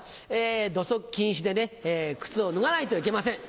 土足禁止で靴を脱がないといけません。